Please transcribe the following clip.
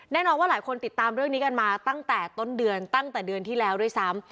แน่นอนว่าหลายคนติดตามเรื่องนี้กันมาตั้งแต่ต้นเดือนตั้งแต่เดือนที่แล้วด้วยซ้ำ